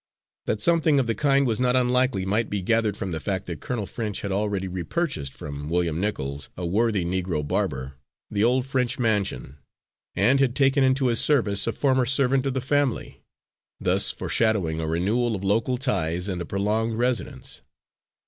That something of the kind was not unlikely, might be gathered from the fact that Colonel French had already repurchased, from William Nichols, a worthy negro barber, the old French mansion, and had taken into his service a former servant of the family, thus foreshadowing a renewal of local ties and a prolonged residence.